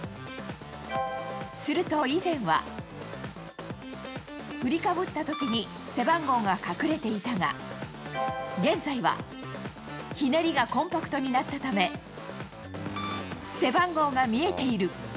すると以前は、振りかぶったときに、背番号が隠れていたが、現在は、ひねりがコンパクトになったため、背番号が見えている。